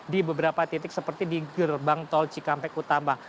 di beberapa titik seperti di gerbang tol cikampek utama